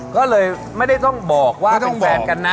ก็เลยไม่ได้ต้องบอกว่าเป็นแฟนกันนะ